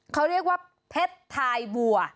เขาเรียกว่าเพชรทายบัว